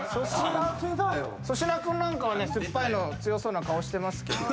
粗品君なんかはね酸っぱいの強そうな顔してますけど。